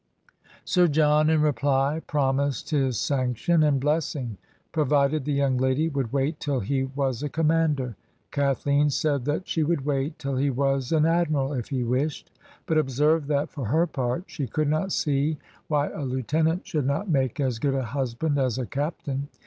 Sir John, in reply, promised his sanction and blessing, provided the young lady would wait till he was a commander. Kathleen said that she would wait till he was an admiral, if he wished, but observed that, for her part, she could not see why a lieutenant should not make as good a husband as a captain.